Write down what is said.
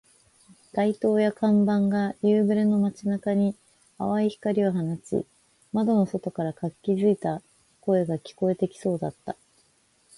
街灯や看板が夕暮れの街中に淡い光を放ち、窓の外から活気付いた声が聞こえてきそうだった